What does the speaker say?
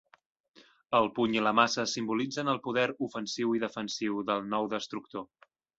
El puny i la maça simbolitzen el poder ofensiu i defensiu del nou destructor.